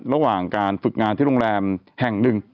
ระหว่างการฝึกงานที่โรงแรมแห่งหนึ่ง